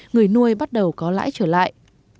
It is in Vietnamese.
người nuôi bắt đầu có lãi trở lại